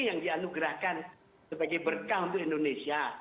yang dianugerahkan sebagai berkah untuk indonesia